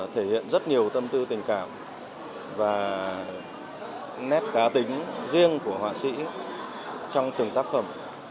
thể hiện rất nhiều tâm tư tình cảm và nét cá tính riêng của họa sĩ trong từng tác phẩm